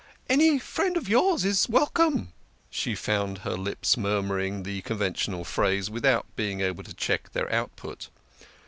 "Any friend of yours is welcome !" She found her lips murmuring the conventional phrase without being able to check their output.